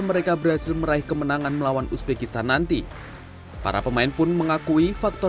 mereka berhasil meraih kemenangan melawan uzbekistan nanti para pemain pun mengakui faktor